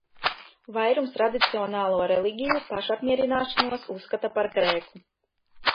Vairums tradicionālo reliģiju pašapmierināšanos uzskata par grēku.